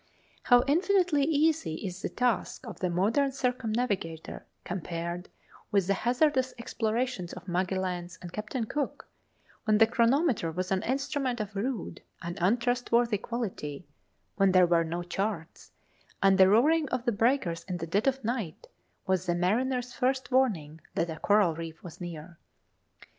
How infinitely easy is the task of the modern circumnavigator compared with the hazardous explorations of Magelhaens and Captain Cook, when the chronometer was an instrument of rude and untrustworthy quality, when there were no charts, and the roaring of the breakers in the dead of night was the mariner's first warning that a coral reef was near!